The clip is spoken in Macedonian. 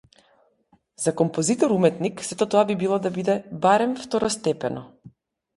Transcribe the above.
За композитор-уметник сето тоа би требало да биде барем второстепено.